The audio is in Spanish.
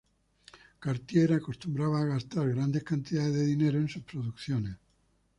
Cartier acostumbraba gastar grandes cantidades de dinero en sus producciones.